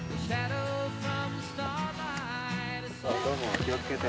どうも気を付けて。